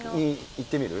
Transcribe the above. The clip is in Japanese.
行ってみる？